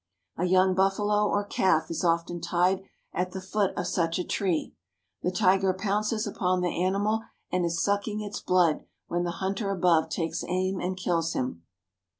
A young buffalo or calf is often tied at the foot of such a tree. The tiger pounces upon the animal and is sucking its blood when the hunter above takes aim and kills him.